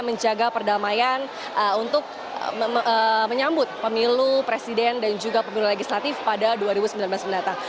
menjaga perdamaian untuk menyambut pemilu presiden dan juga pemilu legislatif pada dua ribu sembilan belas mendatang